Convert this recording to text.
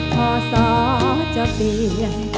พ่อส้อจะปีน